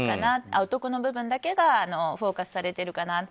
お得の部分だけがフォーカスされているかなと。